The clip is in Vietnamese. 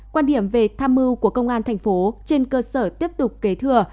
quan điểm về tham mưu của công an thành phố trên cơ sở tiếp tục kế thừa